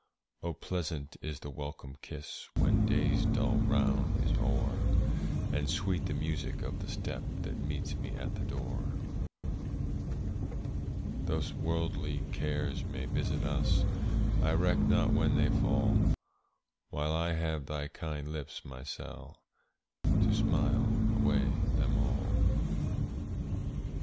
Oh, pleasant is the welcome kiss, When day's dull round is o'er, And sweet the music of the step That meets me at the door. Though worldly cares may visit us, I reck not when they fall, While I have thy kind lips, my Sall, To smile away them all.